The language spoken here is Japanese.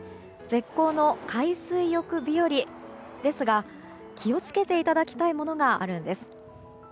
絶好の海水浴日和ですが気を付けていただきたいものがあるんです。